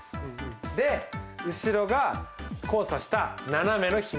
で後ろが交差した斜めのヒモ。